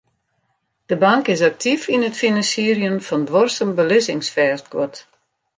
De bank is aktyf yn it finansierjen fan duorsum belizzingsfêstguod.